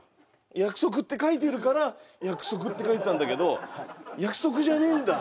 「約束」って書いてるから「約束」って書いてたんだけど約束じゃねえんだ？